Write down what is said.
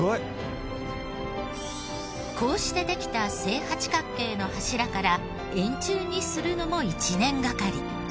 こうしてできた正八角形の柱から円柱にするのも１年がかり。